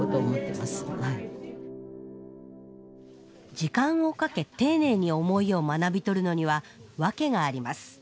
時間をかけ丁寧に思いを学び取るのには訳があります。